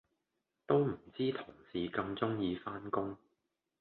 都唔知同事咁鍾意返工